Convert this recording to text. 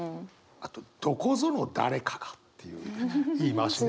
あと「どこぞの誰かが」っていう言い回しね。